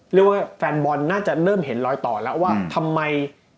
เรียกว่าแฟนบอลน่าจะเริ่มเห็นรอยต่อแล้วว่าทำไม